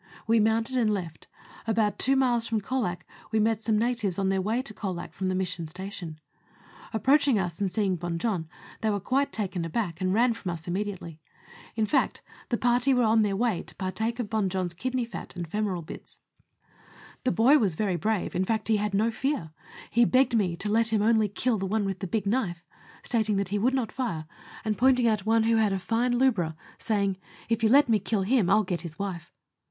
We mounted and left. About two miles from Colac we met some natives on their way to Colac from the Mission Station. Approaching us, and seeing Bon Jon, they were quite taken aback, and ran from us immediately ; in fact, the party were on their way to partake of Bon Jon's kidney fat, and femoral bits. Letters from Victorian Pioiieers. 12 3 The boy was very brave ; in fact, he had no fear ; he begged me to let him "only kill one with the big knife," stating that he would not fire, and pointing out one who had a fine lubra, saying, " If you let me kill him, I'll get his wife."